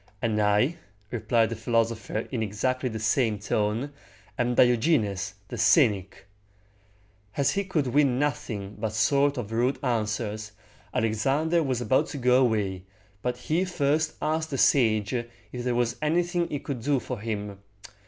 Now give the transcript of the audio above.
"And I," replied the philosopher in exactly the same tone, "am Diogenes the cynic!" As he could win nothing but short or rude answers, Alexander was about to go away, but he first asked the sage if there was anything he could do for him.